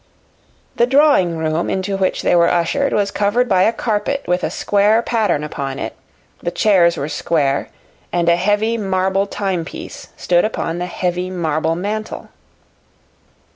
The drawing room into which they were ushered was covered by a carpet with a square pattern upon it, the chairs were square, and a heavy marble timepiece stood upon the heavy marble mantel.